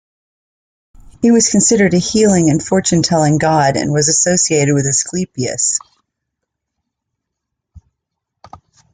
He was considered a healing and fortune-telling god and was associated with Asclepius.